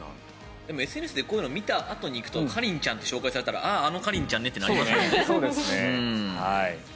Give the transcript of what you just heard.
ＳＮＳでこういうのを見たあとに行くとカリンちゃんって紹介されたらあのカリンちゃんねってなりますね。